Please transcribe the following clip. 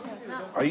はい。